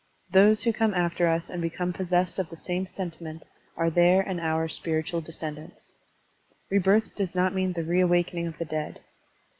Those who come after us and become possessed of the same sentiment are their and our spiritual descend ants. Rebirth does not mean the reawakening of the dead.